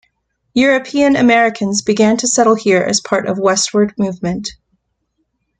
European Americans began to settle here as part of westward movement.